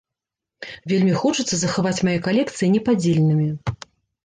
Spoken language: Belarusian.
Вельмі хочацца захаваць мае калекцыі непадзельнымі.